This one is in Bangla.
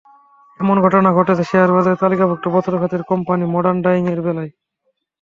এমন ঘটনা ঘটেছে শেয়ারবাজারে তালিকাভুক্ত বস্ত্র খাতের কোম্পানি মডার্ন ডায়িংয়ের বেলায়।